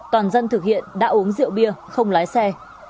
toàn dân thực hiện đã uống rượu bia không lái xe